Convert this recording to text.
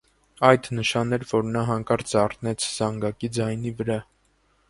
Այդ նշան էր, որ նա հանկարծ զարթնեց զանգակի ձայնի վրա: